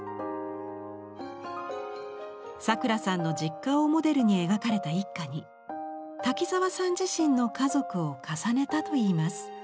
さくらさんの実家をモデルに描かれた一家に滝沢さん自身の家族を重ねたといいます。